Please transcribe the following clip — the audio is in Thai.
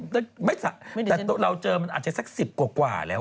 แต่เราเจอมันอาจจะสัก๑๐กว่าแล้ว